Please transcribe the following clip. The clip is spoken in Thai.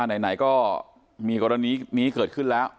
อ่าไหนก็มีกรณีนี้เกิดขึ้นละ